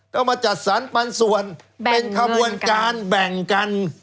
ต้องมาจัดสรรพันธุ์ส่วนแบ่งเงินกันเป็นขบวนการแบ่งกัน